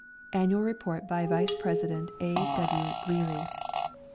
Annual Report by Vice President, GENERAL A. W. GREELY.